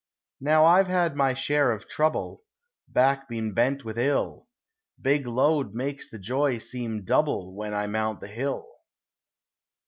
Now I've had my share of trouble; Back been bent with ill; Big load makes the joy seem double When I mount the hill.